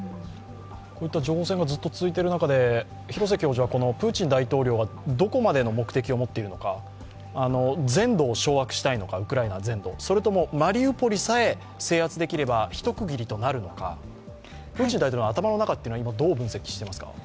こういった情報戦がずっと続いている中で、廣瀬教授は、プーチン大統領がどこまでの目的を持っているのか、ウクライナ全土を掌握したいのかそれともマリウポリさえ制圧できれば一区切りとなるのか、プーチン大統領の頭の中は今、どう分析していますか？